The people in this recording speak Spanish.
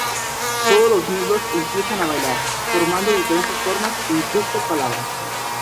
Todos los miembros empiezan a bailar, formando diferentes formas e incluso palabras.